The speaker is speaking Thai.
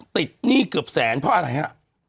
หนี้เกือบแสนเพราะอะไรฮะ